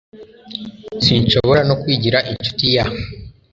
Sinshobora no kwigira inshuti ya